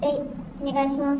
お願いします。